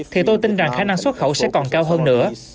thì tôi tin rằng khả năng xuất khẩu sẽ còn cao hơn nữa